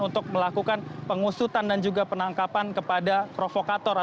untuk melakukan pengusutan dan juga penangkapan kepada provokator